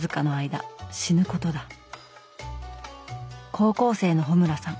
高校生の穂村さん